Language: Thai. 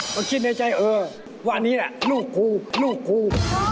เมื่อกี้ในใจเออว่านี่ลูกครูลูกครู